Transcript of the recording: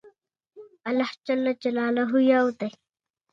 خدای ته شکر جدي صدمه ورته متوجه نه وه.